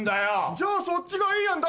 じゃあそっちがいい案出せば！